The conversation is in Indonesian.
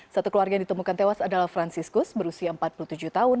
satu keluarga yang ditemukan tewas adalah franciscus berusia empat puluh tujuh tahun